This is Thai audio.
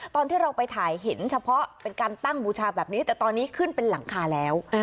ตอนที่เราไปถ่ายเห็นเฉพาะเป็นการตั้งบูชาแบบนี้แต่ตอนนี้ขึ้นเป็นหลังคาแล้ว